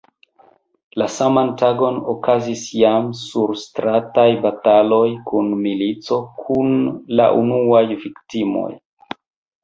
La saman tagon okazis jam surstrataj bataloj kun milico, kun la unuaj viktimoj.